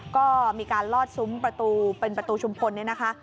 ก็มีการลอดซุ้มประตูเป็นประตูชุมพลเนี่ยนะคะ